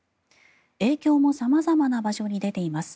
影響も様々な場所に出ています。